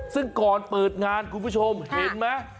ซึ่งก่อนเปิดงานคุณผู้ชมเห็นไหม